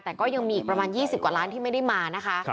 แต่ก็ยังมีอีกประมาณ๒๐กว่าล้านที่ไม่ได้มานะคะ